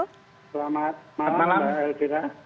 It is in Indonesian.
selamat malam pak heri